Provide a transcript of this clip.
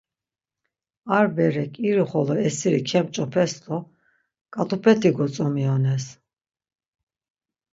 Ar berek iri xolo esiri kemç̌opes do ǩat̆upeti gotzomiyones.